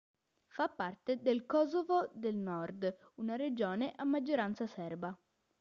Fa parte del Kosovo del nord, una regione a maggioranza serba.